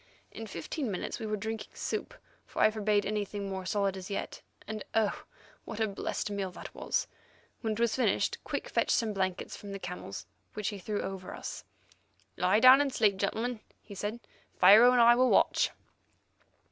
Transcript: In fifteen minutes we were drinking soup, for I forbade anything more solid as yet, and, oh! what a blessed meal was that. When it was finished, Quick fetched some blankets from the camels, which he threw over us. "Lie down and sleep, gentlemen," he said; "Pharaoh and I will watch."